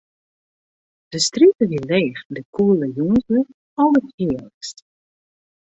De strjitte wie leech en de koele jûnslucht alderhearlikst.